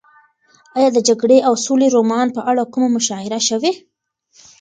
ایا د جګړې او سولې رومان په اړه کومه مشاعره شوې؟